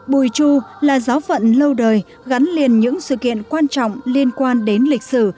bùi chu là giáo phận lâu đời gắn liền những sự kiện quan trọng liên quan đến lịch sử